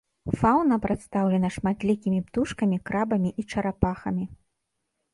Фаўна прадстаўлена шматлікімі птушкамі, крабамі і чарапахамі.